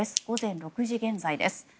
午前６時現在です。